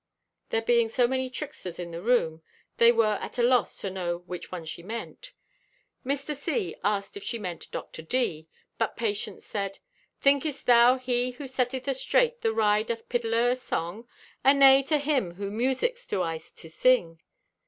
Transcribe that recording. There being so many "tricksters" in the room, they were at a loss to know which one she meant. Mr. C. asked if she meant Dr. D., but Patience said: "Thinkest thou he who setteth astraight the wry doth piddle o' a song? Anay, to him who musics do I to sing."